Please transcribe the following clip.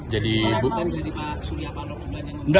jadi bukan jadi pak suliapalok yang mengundurkan diri